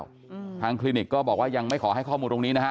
คือตรงนี้อย่างที่บอกค่ะว่าเราจะไม่ให้ข่าวอะไรทั้งสิ้น